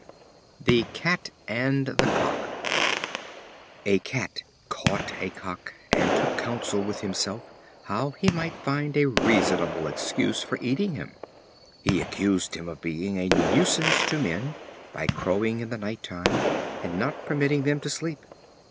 The Cat and the Cock. A Cat caught a Cock, and took counsel with himself how he might find a reasonable excuse for eating him. He accused him as being a nuisance to men, by crowing in the night time, and not permitting them to sleep.